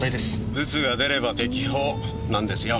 ブツが出れば適法なんですよ。